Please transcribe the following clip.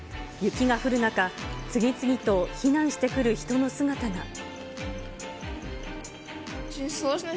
雪が降る中、次々と避難してくる人の姿が。